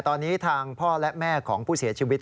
ตอนนี้ทางพ่อและแม่ของผู้เสียชีวิต